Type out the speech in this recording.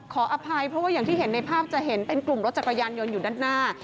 ขออภัยเพราะว่าอย่างที่เห็นในภาพจะเห็นเป็นกลุ่มรถจักรยานยนต์อยู่ด้านหน้า